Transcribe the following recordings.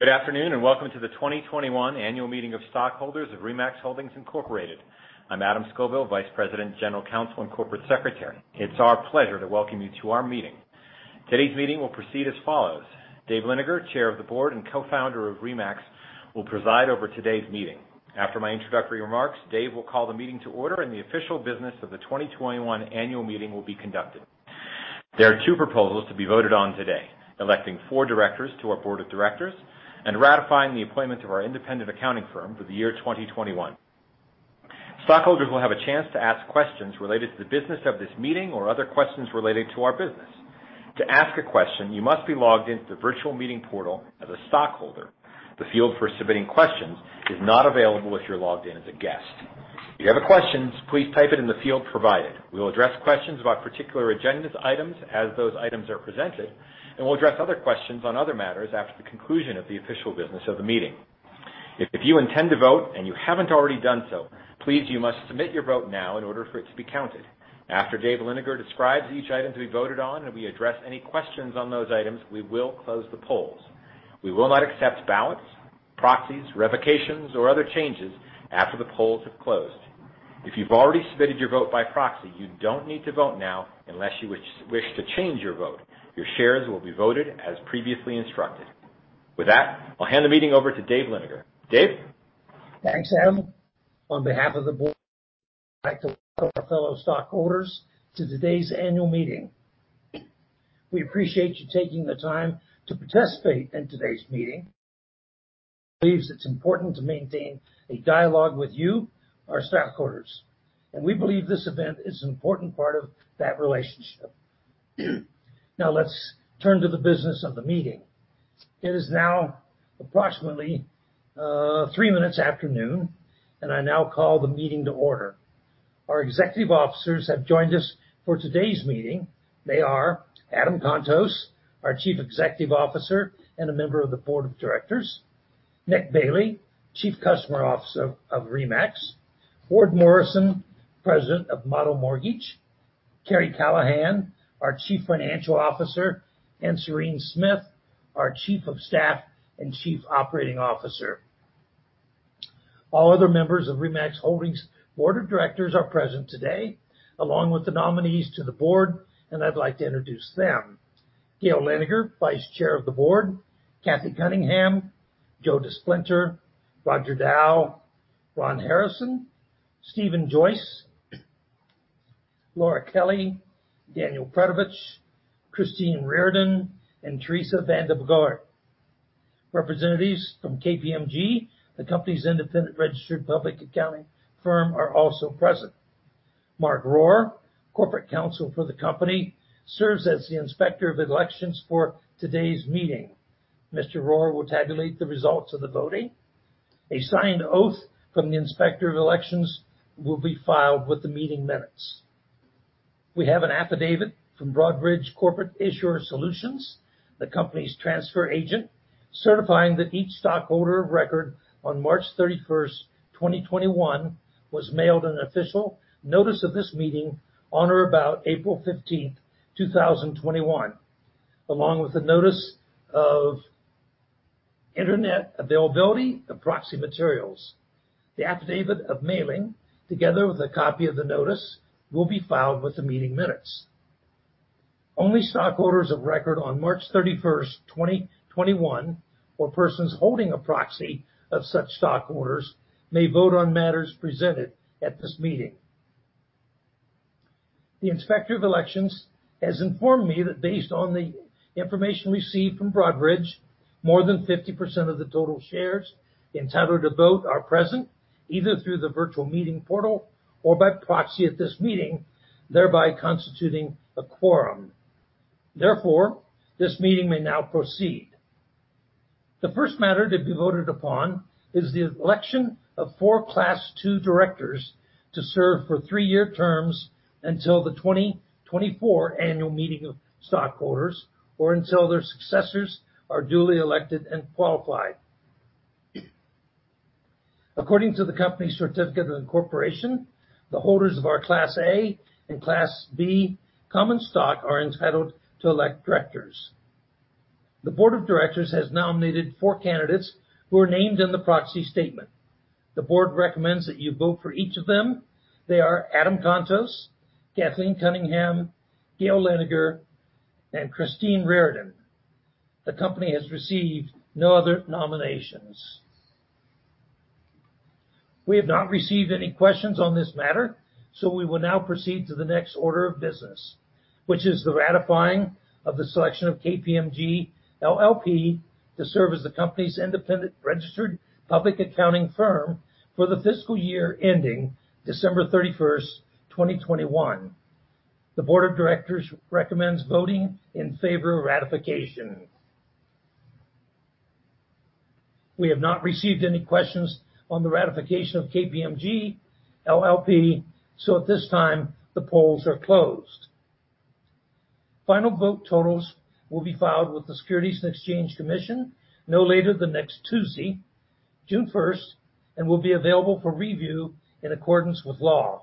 Good afternoon, and welcome to the 2021 annual meeting of stockholders of RE/MAX Holdings, Inc. I'm Adam Scoville, Vice President, General Counsel, and Corporate Secretary. It's our pleasure to welcome you to our meeting. Today's meeting will proceed as follows. Dave Liniger, Chair of the Board and Co-Founder of RE/MAX, will preside over today's meeting. After my introductory remarks, Dave will call the meeting to order, and the official business of the 2021 annual meeting will be conducted. There are two proposals to be voted on today, electing four directors to our board of directors and ratifying the appointment of our independent accounting firm for the year 2021. Stockholders will have a chance to ask questions related to the business of this meeting or other questions relating to our business. To ask a question, you must be logged into the virtual meeting portal as a stockholder. The field for submitting questions is not available if you're logged in as a guest. If you have a question, please type it in the field provided. We will address questions about particular agenda items as those items are presented, and we'll address other questions on other matters after the conclusion of the official business of the meeting. If you intend to vote, and you haven't already done so, please, you must submit your vote now in order for it to be counted. After Dave Liniger describes each item to be voted on and we address any questions on those items, we will close the polls. We will not accept ballots, proxies, revocations, or other changes after the polls have closed. If you've already submitted your vote by proxy, you don't need to vote now unless you wish to change your vote. Your shares will be voted as previously instructed. With that, I'll hand the meeting over to Dave Liniger. Dave? Thanks, Adam. On behalf of the board, I'd like to welcome our fellow stockholders to today's annual meeting. We appreciate you taking the time to participate in today's meeting. We believe it's important to maintain a dialogue with you, our stockholders, and we believe this event is an important part of that relationship. Let's turn to the business of the meeting. It is now approximately three minutes after noon, and I now call the meeting to order. Our executive officers have joined us for today's meeting. They are Adam Contos, our Chief Executive Officer and a member of the board of directors, Nick Bailey, Chief Customer Officer of RE/MAX, Ward Morrison, President of Motto Mortgage, Karri Callahan, our Chief Financial Officer, and Serene Smith, our Chief of Staff and Chief Operating Officer. All other members of RE/MAX Holdings' Board of Directors are present today, along with the nominees to the board, and I'd like to introduce them. Gail Liniger, Vice Chair of the Board, Kathy Cunningham, Joe DeSplinter, Roger Dow, Ron Harrison, Stephen Joyce, Laura Kelly, Daniel Predovich, Christine Riordan, and Teresa Van De Bogart. Representatives from KPMG, the company's independent registered public accounting firm, are also present. Mark Rohr, corporate counsel for the company, serves as the inspector of elections for today's meeting. Mr. Rohr will tabulate the results of the voting. A signed oath from the inspector of elections will be filed with the meeting minutes. We have an affidavit from Broadridge Corporate Issuer Solutions, the company's transfer agent, certifying that each stockholder of record on March 31st, 2021, was mailed an official notice of this meeting on or about April 15th, 2021, along with the notice of internet availability of proxy materials. The affidavit of mailing, together with a copy of the notice, will be filed with the meeting minutes. Only stockholders of record on March 31st, 2021, or persons holding a proxy of such stockholders may vote on matters presented at this meeting. The inspector of elections has informed me that based on the information received from Broadridge, more than 50% of the total shares entitled to vote are present, either through the virtual meeting portal or by proxy at this meeting, thereby constituting a quorum. This meeting may now proceed. The first matter to be voted upon is the election of four Class two directors to serve for three-year terms until the 2024 annual meeting of stockholders or until their successors are duly elected and qualified. According to the company's certificate of incorporation, the holders of our Class A and Class B common stock are entitled to elect directors. The board of directors has nominated four candidates who are named in the proxy statement. The board recommends that you vote for each of them. They are Adam Contos, Kathleen Cunningham, Gail Liniger, and Christine Riordan. The company has received no other nominations. We have not received any questions on this matter, so we will now proceed to the next order of business, which is the ratifying of the selection of KPMG LLP to serve as the company's independent registered public accounting firm for the fiscal year ending December 31st, 2021. The board of directors recommends voting in favor of ratification. We have not received any questions on the ratification of KPMG LLP. At this time, the polls are closed. Final vote totals will be filed with the Securities and Exchange Commission no later than next Tuesday, June 1st, and will be available for review in accordance with the law.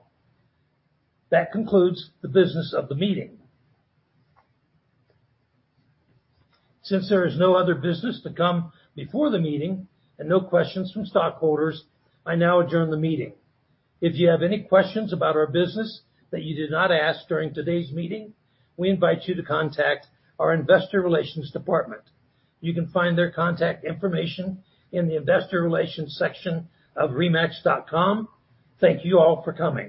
That concludes the business of the meeting. There is no other business to come before the meeting and no questions from stockholders, I now adjourn the meeting. If you have any questions about our business that you did not ask during today's meeting, we invite you to contact our investor relations department. You can find their contact information in the investor relations section of remax.com. Thank you all for coming.